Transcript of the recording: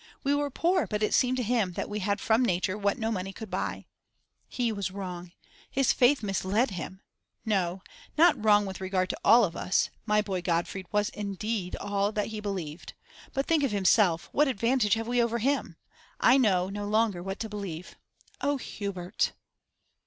We were poor, but it seemed to him that we had from nature what no money could buy. He was wrong; his faith misled him. No, not wrong with regard to all of us; my boy Godfrey was indeed all that he believed. But think of himself; what advantage have we over him? I know no longer what to believe. Oh, Hubert!